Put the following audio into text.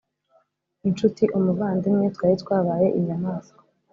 inshuti, umuvandimwe, Twari twabaye inyamaswa.